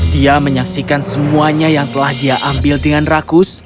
dia menyaksikan semuanya yang telah dia ambil dengan rakus